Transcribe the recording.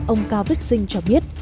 ông cao vích sinh cho biết